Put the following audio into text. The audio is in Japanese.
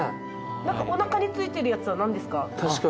おなかに付いてるやつは何ですか？